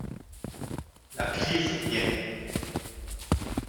La crise vient.